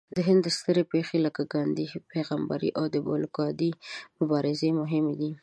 د هند سترې پېښې لکه د ګاندهي پیغمبرۍ او د بلوکادي مبارزې مهمې دي.